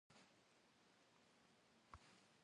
Bzılhxuğe pşşerıh xuşane.